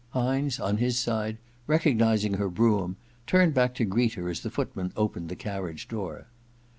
Hynes, on his side, recognizing her brougham, turned back to greet her as the footman opened the carriage door.